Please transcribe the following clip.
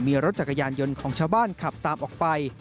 มีรถจักรยานยนต์ของชาวบ้านขับตามออกไป